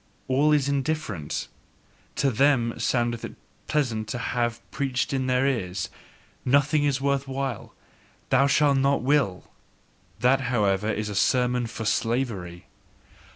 All is indifferent!" TO THEM soundeth it pleasant to have preached in their ears: "Nothing is worth while! Ye shall not will!" That, however, is a sermon for slavery.